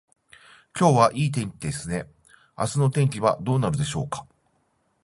今日はいい天気ですね。明日の天気はどうなるでしょうか。